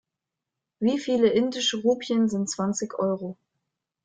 Wie viele indische Rupien sind zwanzig Euro?